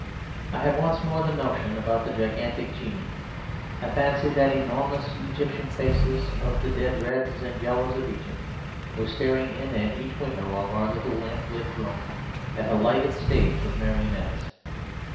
I had once more the notion about the gigantic genii— I fancied that enormous Egyptian faces, of the dead reds and yellows of Egypt, were staring in at each window of our little lamp lit room as at a lighted stage of marionettes.